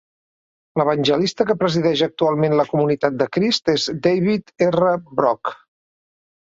L'evangelista que presideix actualment la Comunitat de Crist és David R. Brock.